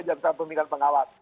jangan sampai meminta pengawas